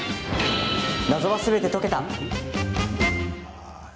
謎はすべて解けた！